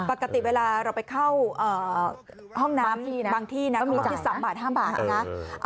ปกติเวลาเราไปเข้าเอ่อห้องน้ำบางที่น่ะเขาก็คือสามบาทห้ามบาทนะเออ